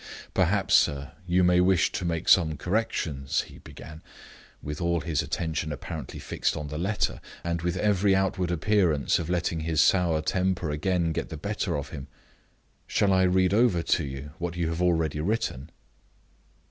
"Perhaps, sir, you may wish to make some corrections," he began, with all his attention apparently fixed on the letter, and with every outward appearance of letting his sour temper again get the better of him. "Shall I read over to you what you have already written?"